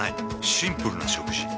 シンプルな食事。